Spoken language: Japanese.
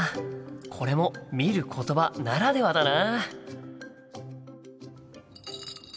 これも「見ることば」ならではだな。